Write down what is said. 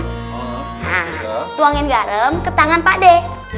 nah tuangin garam ke tangan pade